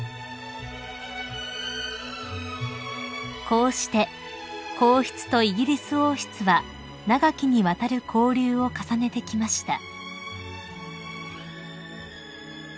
［こうして皇室とイギリス王室は長きにわたる交流を重ねてきました］